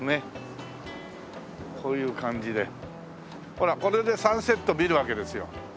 ほらこれでサンセット見るわけですよ。